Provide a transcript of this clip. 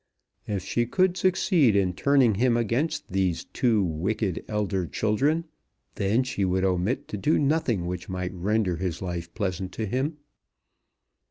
If she could succeed in turning him against these two wicked elder children, then she would omit to do nothing which might render his life pleasant to him.